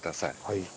はい。